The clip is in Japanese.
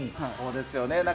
そうですよね。